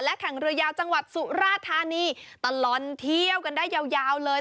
แข่งเรือยาวจังหวัดสุราธานีตลอดเที่ยวกันได้ยาวเลย